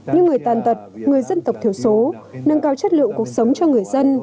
những người tàn tật người dân tộc thiếu số nâng cao chất lượng cuộc sống cho người dân